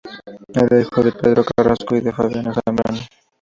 Era hijo de Pedro Carrasco y de Fabiana Zambrano.